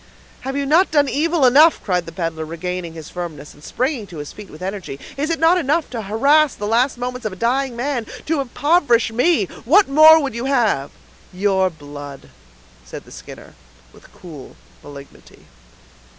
"Have you not done evil enough?" cried the peddler, regaining his firmness, and springing on his feet with energy. "Is it not enough to harass the last moments of a dying man—to impoverish me; what more would you have?" "Your blood!" said the Skinner, with cool malignity.